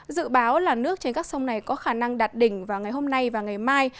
dự báo là nước trên các sông này có khả năng đạt đỉnh vào ngày hôm nay và ngày mai